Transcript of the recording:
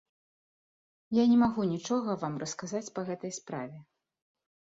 Я не магу нічога вам расказаць па гэтай справе.